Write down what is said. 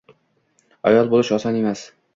Ayol boʻlish oson emas